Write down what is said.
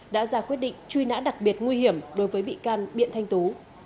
đã ra quyết định truy nã đặc biệt nguy hiểm đối với bị can biện thanh tú